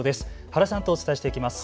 原さんとお伝えしていきます。